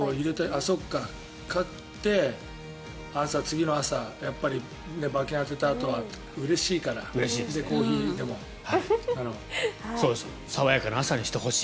そうか、勝って次の朝、やっぱり馬券を当てたあとはうれしいから爽やかな朝にしてほしい。